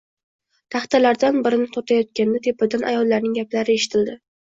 Taxtalardan birini tortayotganda tepadan ayollarning gaplari eshitildi: